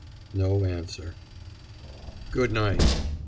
No answer. "Good night."